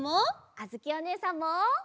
あづきおねえさんも。